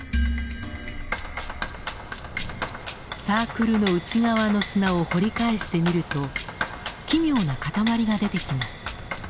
サークルの内側の砂を掘り返してみると奇妙な塊が出てきます。